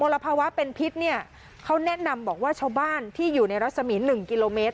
ลภาวะเป็นพิษเนี่ยเขาแนะนำบอกว่าชาวบ้านที่อยู่ในรัศมี๑กิโลเมตร